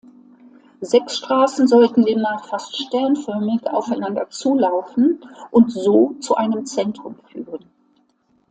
Sechs Straßen sollten demnach fast sternförmig aufeinander zulaufen und so zu einem Zentrum führen.